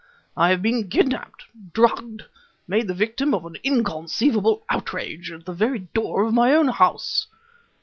I have been kidnaped drugged; made the victim of an inconceivable outrage at the very door of my own house...."